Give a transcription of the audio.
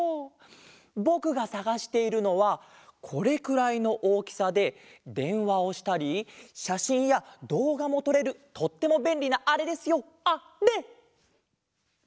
ぼくがさがしているのはこれくらいのおおきさででんわをしたりしゃしんやどうがもとれるとってもべんりなあれですよあれ！